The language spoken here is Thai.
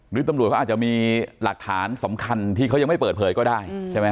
หรือตำรวจเขาอาจจะมีหลักฐานสำคัญที่เขายังไม่เปิดเผยก็ได้ใช่ไหม